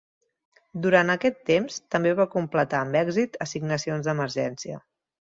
Durant aquest temps, també va completar amb èxit assignacions d'emergència.